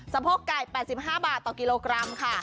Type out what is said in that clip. โพกไก่๘๕บาทต่อกิโลกรัมค่ะ